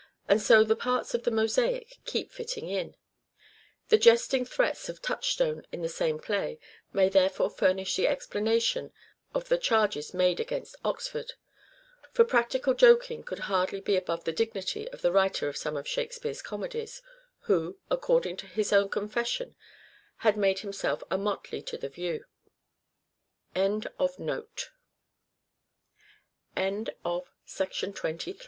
And so the parts of the mosaic keep fitting in. The jesting threats of Touchstone in the same play may therefore furnish the explanation of the charges made against Oxford : for practical joking could hardly be above the dignity of the writer of some of " Shakespeare's " comedies, who, according to his own confession, had made himself "a motley to th